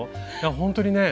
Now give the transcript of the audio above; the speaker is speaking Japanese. ほんとにね